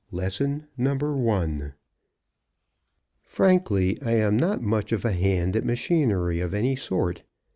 VI LESSON NUMBER ONE Frankly, I am not much of a hand at machinery of any sort.